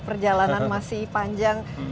perjalanan masih panjang